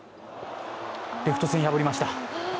レフト線破りました。